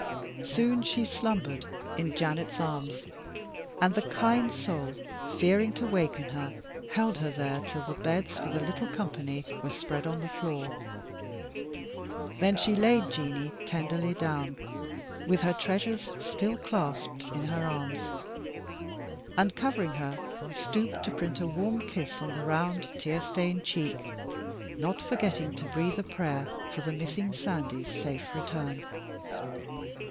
Soon she slumbered in Janet's arms, and the kind soul, fearing to waken her, held her there till the beds for the little company were spread on the floor; then she laid Jeanie tenderly down, with her treasures still clasped in her arms, and covering her, stooped to print a warm kiss on the round tear stained cheek, not forgetting to breathe a prayer for the missing Sandy's safe return.